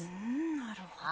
なるほど。